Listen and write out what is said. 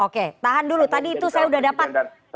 oke tahan dulu tadi itu saya sudah dapat